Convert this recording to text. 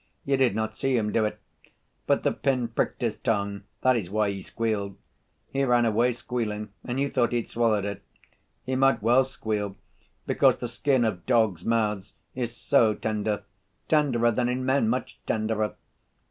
You did not see him do it. But the pin pricked his tongue, that is why he squealed. He ran away squealing and you thought he'd swallowed it. He might well squeal, because the skin of dogs' mouths is so tender ... tenderer than in men, much tenderer!"